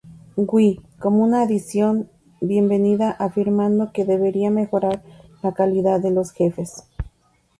Wii" como una adición bienvenida, afirmando que debería mejorar la calidad de los jefes.